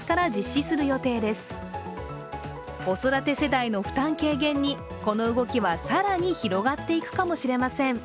子育て世代の負担軽減に、この動きは更に広がっていくかもしれません。